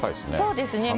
そうですね。